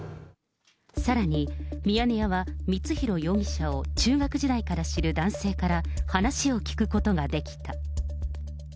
さらに、ミヤネ屋は光弘容疑者を中学時代から知る男性から話を聞くことができた。